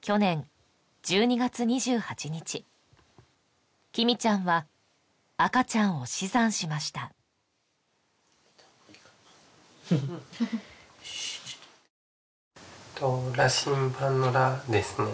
去年１２月２８日きみちゃんは赤ちゃんを死産しました羅針盤の「羅」ですね